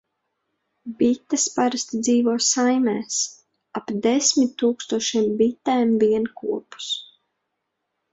Bites parasti dzīvo saimēs - ap desmit tūkstošiem bitēm vienkopus.